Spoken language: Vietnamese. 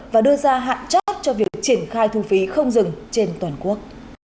và đưa ra hạn chót cho việc triển khai thu phí không dừng trên toàn quốc